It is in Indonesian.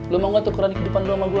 lo mau gak tukeran kehidupan lo sama gue